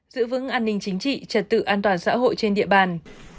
giữ vững an ninh chính trị trật tự an toàn xã hội trên địa bàn